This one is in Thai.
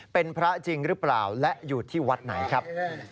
เป็นพระจริงหรือเปล่าและอยู่ที่วัดไหนครับ